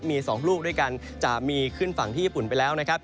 มี๒ลูกด้วยกันจะมีขึ้นฝั่งที่ญี่ปุ่นไปแล้วนะครับ